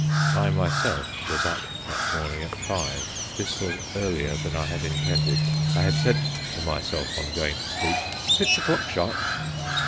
I myself was up that morning at five. This was earlier than I had intended. I had said to myself on going to sleep, "Six o'clock, sharp!"